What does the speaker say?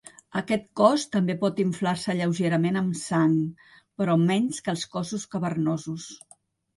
Aquest cos també pot inflar-se lleugerament amb sang, però menys que els cossos cavernosos.